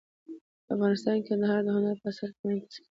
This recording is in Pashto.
افغانستان کې کندهار د هنر په اثار کې منعکس کېږي.